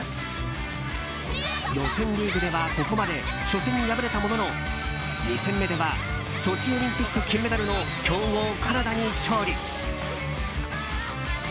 予選リーグではここまで初戦に敗れたものの２戦目ではソチオリンピック金メダルの強豪カナダに勝利。